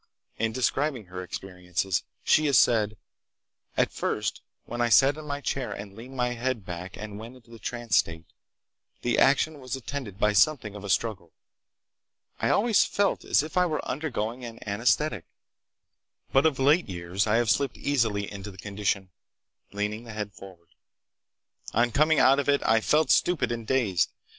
In describing her experiences she has said: "At first when I sat in my chair and leaned my head back and went into the trance state, the action was attended by something of a struggle. I always felt as if I were undergoing an anesthetic, but of late years I have slipped easily into the condition, leaning the head forward. On coming out of it I felt stupid and dazed.